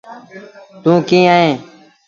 توݩ ڪيݩ وهيݩ۔